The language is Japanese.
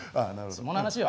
その話は。